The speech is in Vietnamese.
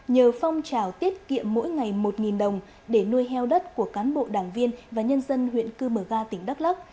nhờ phong trào tiết kiệm mỗi ngày một đồng để nuôi heo đất của cán bộ đảng viên và nhân dân huyện cư mờ ga tỉnh đắk lắc